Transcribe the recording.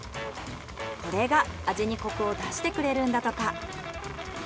これが味にコクを出してくれるんだとか。